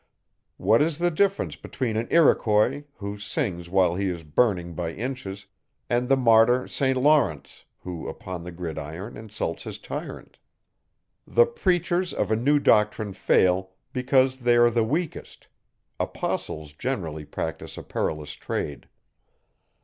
What is the difference between an Iroquois, who sings while he is burning by inches, and the martyr ST. LAURENCE, who upon the gridiron insults his tyrant? The preachers of a new doctrine fail, because they are the weakest; apostles generally practise a perilous trade.